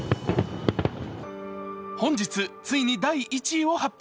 本日、ついに第１位を発表。